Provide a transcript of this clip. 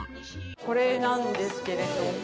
これなんですけれども。